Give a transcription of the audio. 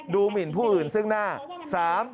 หมินผู้อื่นซึ่งหน้า